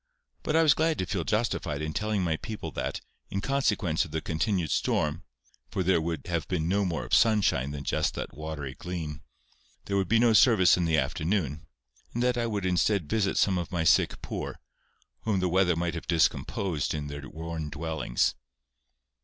But I was glad to feel justified in telling my people that, in consequence of the continued storm, for there had been no more of sunshine than just that watery gleam, there would be no service in the afternoon, and that I would instead visit some of my sick poor, whom the weather might have discomposed in their worn dwellings.